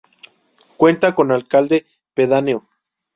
Cuenta con alcalde pedáneo.